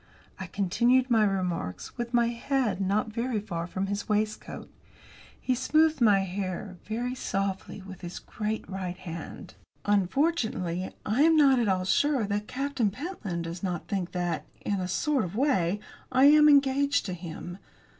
I continued my remarks with my head not very far away from his waistcoat. He smoothed my hair, very softly, with his great right hand. "Unfortunately, I am not at all sure that Captain Pentland does not think that, in a sort of way, I am engaged to him.